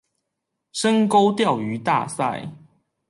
深溝釣魚大賽